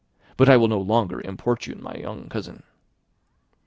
But I will no longer importune my young cousin."